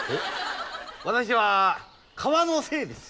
私は川の精です。